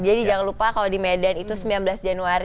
jadi jangan lupa kalau di medan itu sembilan belas januari